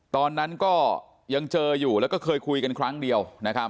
ตอนนั้นก็ยังเจออยู่แล้วก็เคยคุยกันครั้งเดียว